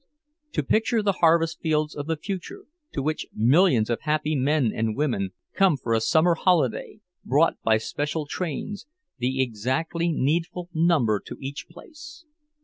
To picture the harvest fields of the future, to which millions of happy men and women come for a summer holiday, brought by special trains, the exactly needful number to each place!